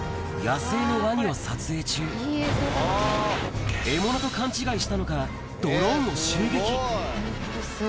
野生のワニを撮影中、獲物と勘違いしたのか、ドローンを襲撃。